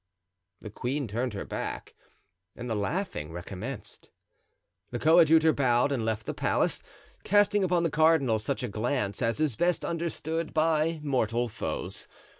The queen turned her back and the laughing recommenced. The coadjutor bowed and left the palace, casting upon the cardinal such a glance as is best understood by mortal foes.